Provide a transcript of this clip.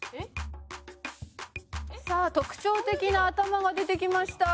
「さあ特徴的な頭が出てきました」